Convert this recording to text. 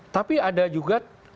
tapi ada juga